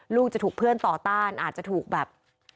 ลูกจะถูกเพื่อนต่อต้านอาจจะถูกแบบ